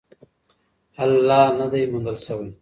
حل لا نه دی موندل سوی.